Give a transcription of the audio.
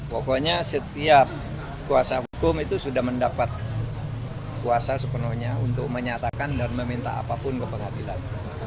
pokoknya setiap kuasa hukum itu sudah mendapat kuasa sepenuhnya untuk menyatakan dan meminta apapun ke pengadilan